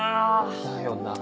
だよな。